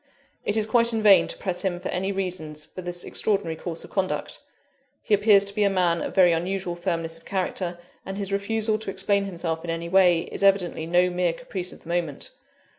It is quite in vain to press him for any reason for this extraordinary course of conduct he appears to be a man of very unusual firmness of character; and his refusal to explain himself in any way, is evidently no mere caprice of the moment.